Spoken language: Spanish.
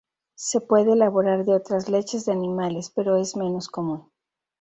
Se puede elaborar de otras leches de animales, pero es menos común.